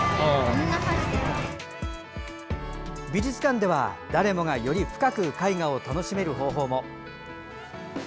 美術館では誰もがより深く絵画を楽しめる方法も。